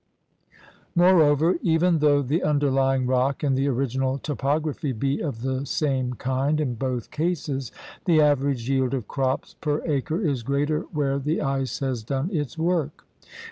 Moreover, even though the underlying rock and the original topography be of the same kind in both cases, the average yield of crops per acre is greater where the ice has done its work.